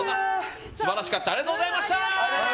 素晴らしかったありがとうございました。